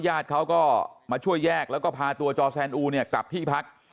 ญาติเขาก็มาช่วยแยกแล้วก็พาตัวจอแซนอูเนี่ยกลับที่พัก